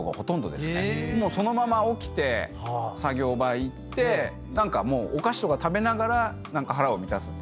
そのまま起きて作業場行ってお菓子とか食べながら腹を満たすっていう。